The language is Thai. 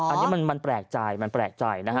อันนี้มันแปลกใจมันแปลกใจนะฮะ